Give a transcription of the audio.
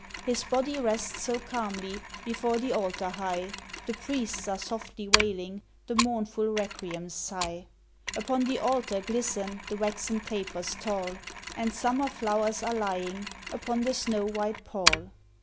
His body rests so calmly Before the Altar high, The Priests are softly wailing The mournful Requiem's sigh. Upon the Altar glisten The waxen tapers tall, And summer flowers are lying Upon the snow white pall.